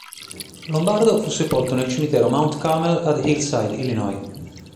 Lombardo fu sepolto nel cimitero Mount Carmel ad Hillside, Illinois.